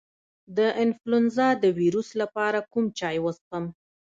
د انفلونزا د ویروس لپاره کوم چای وڅښم؟